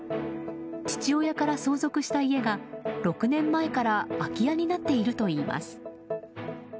父親から相続した家が６年前から空き家になっているといいます。